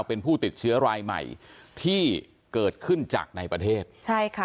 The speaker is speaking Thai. เป็นผู้ติดเชื้อรายใหม่ที่เกิดขึ้นจากในประเทศใช่ค่ะ